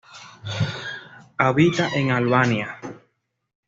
Habita en Albania.